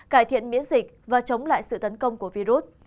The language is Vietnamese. cải thiện miễn dịch và chống lại sự tấn công của virus